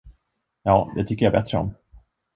Ja, det tycker jag bättre om.